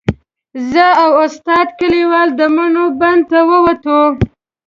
زه او استاد کلیوال د مڼو بڼ ته ووتو.